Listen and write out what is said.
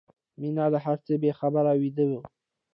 مينه له هر څه بې خبره ویده وه